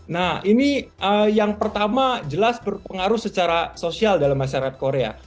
nah ini yang pertama jelas berpengaruh secara sosial dalam masyarakat korea